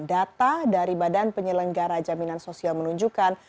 data dari badan penyelenggara jaminan sosial menunjukkan